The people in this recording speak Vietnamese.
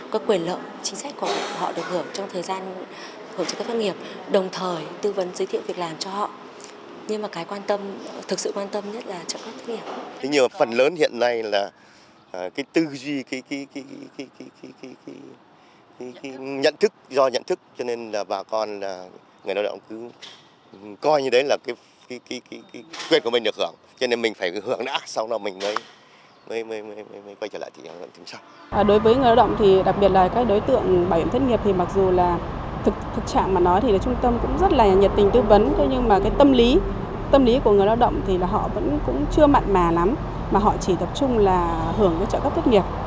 các quyền lộng chính sách của họ được hưởng trong thời gian hưởng trợ cấp thất nghiệp